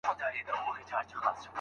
ايا زوی بازار ته ځي؟